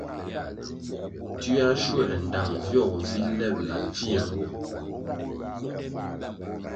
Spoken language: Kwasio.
Tioa schuē ndtang vyogo vi lebʼla pfie nwo.